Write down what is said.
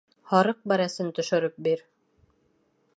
Һарыҡ бәрәсен төшөрөп бир.